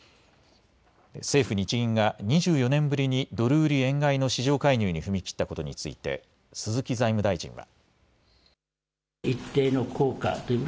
政府・日銀が２４年ぶりにドル売り円買いの市場介入に踏み切ったことについて鈴木財務大臣は。